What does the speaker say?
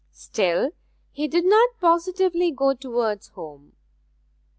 Still he did not positively go towards home.